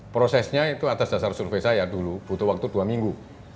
prosesnya itu atas dasar survei saya dulu butuh waktu dua minggu